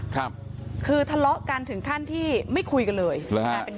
ครับคือทะเลาะกันถึงขั้นที่ไม่คุยกันเลยหรือฮะกลายเป็น